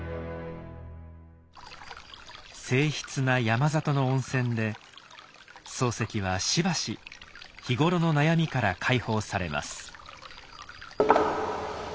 静ひつな山里の温泉で漱石はしばし日頃の悩みから解放されます。